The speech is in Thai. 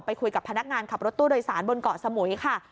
คุยกับพนักงานขับรถตู้โดยสารบนเกาะสมุยค่ะ